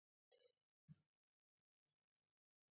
kiki kwong'ie tugulu amune sikuwirta chito ne kararan neu noto